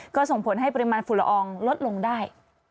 ก็ส่งผลให้ปริมาณฝุ่นละอองลดลงได้